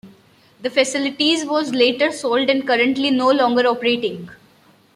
The facility was later sold and is currently no longer operating.